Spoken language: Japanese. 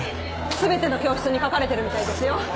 全ての教室に書かれてるみたいですよ。